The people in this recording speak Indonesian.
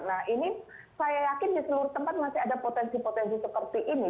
nah ini saya yakin di seluruh tempat masih ada potensi potensi seperti ini